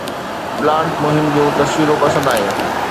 plant مهم جون تصويرون پسند آيون